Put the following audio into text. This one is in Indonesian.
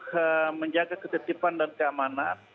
untuk menjaga ketetipan dan keamanan